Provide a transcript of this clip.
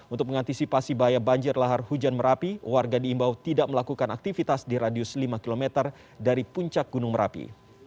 untuk mengantisipasi bahaya banjir lahar hujan merapi warga diimbau tidak melakukan aktivitas di radius lima km dari puncak gunung merapi